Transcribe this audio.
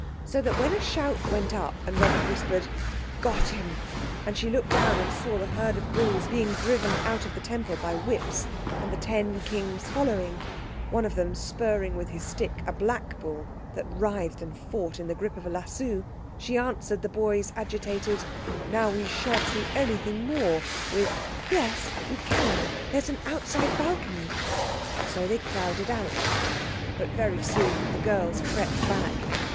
So that when a shout went up and Robert whispered, "Got him," and she looked down and saw the herd of bulls being driven out of the Temple by whips, and the ten Kings following, one of them spurring with his stick a black bull that writhed and fought in the grip of a lasso, she answered the boy's agitated, "Now we shan't see anything more," with— "Yes we can, there's an outside balcony." So they crowded out. But very soon the girls crept back.